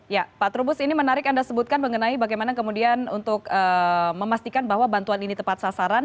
ya pak trubus ini menarik anda sebutkan mengenai bagaimana kemudian untuk memastikan bahwa bantuan ini tepat sasaran